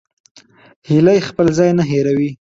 هیلۍ خپل ځای نه هېروي